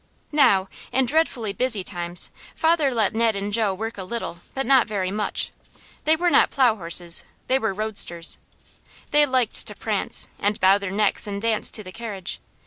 Now, in dreadfully busy times, father let Ned and Jo work a little, but not very much. They were not plow horses; they were roadsters. They liked to prance, and bow their necks and dance to the carriage.